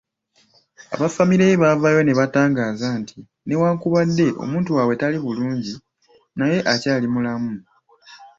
Aba ffamire ye baavaayo ne batangaaza nti newankubadde omuntu waabwe tali bulungi, naye akyali mulamu.